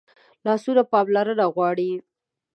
لاسونه پاملرنه غواړي